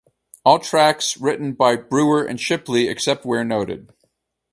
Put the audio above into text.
All tracks written by Brewer and Shipley except where noted.